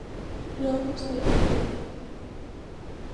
Logo seguiu lendo.